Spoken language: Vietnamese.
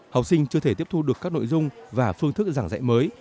học sinh chưa thể tiếp thu được các nội dung và phương thức giảng dạy mới